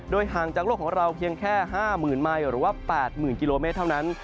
ห่างจากโลกของเราเพียงแค่๕๐๐๐ไมค์หรือว่า๘๐๐๐กิโลเมตรเท่านั้น